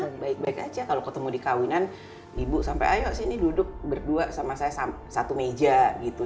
ya baik baik aja kalau ketemu di kawinan ibu sampai ayo sih ini duduk berdua sama saya satu meja gitu